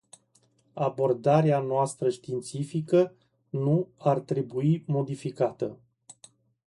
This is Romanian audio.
Abordarea noastră științifică nu ar trebui modificată.